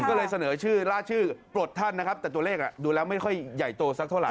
ก็เลยเสนอชื่อล่าชื่อปลดท่านนะครับแต่ตัวเลขดูแล้วไม่ค่อยใหญ่โตสักเท่าไ